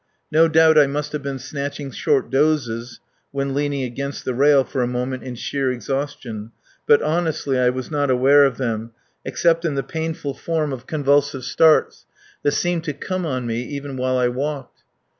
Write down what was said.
No doubt I must have been snatching short dozes when leaning against the rail for a moment in sheer exhaustion; but, honestly, I was not aware of them, except in the painful form of convulsive starts that seemed to come on me even while I walked.